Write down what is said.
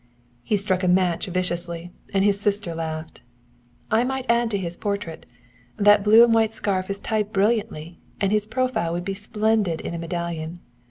He struck a match viciously, and his sister laughed. "I might add to his portrait. That blue and white scarf is tied beautifully; and his profile would be splendid in a medallion.